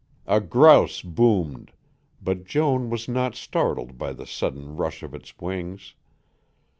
A grouse boomed, but Joan was not startled by the sudden rush of its wings.